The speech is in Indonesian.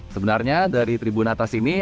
sebenarnya dari tribun atas ini